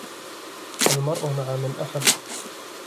الْمَرْءُ مَعَ مَنْ أَحَبَّ